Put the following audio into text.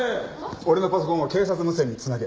俺のパソコンを警察無線に繋げ。